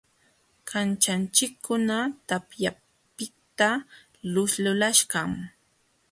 Kanćhanchikkuna tapyapiqta lulaśhqam.